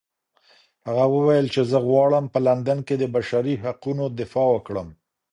هغې وویل چې زه غواړم په لندن کې د بشري حقونو دفاع وکړم.